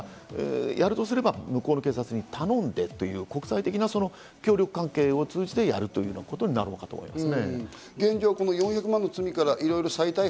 やるとすれば向こうの警察に頼んでという国際的な協力関係を通じてやるということになろうかと思います。